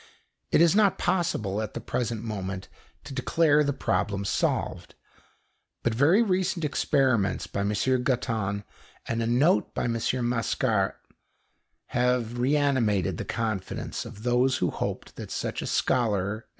It is not possible, at the present moment, to declare the problem solved; but very recent experiments by M. Gutton and a note by M. Mascart have reanimated the confidence of those who hoped that such a scholar as M.